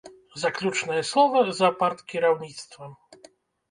Заключнае слова за парткіраўніцтвам.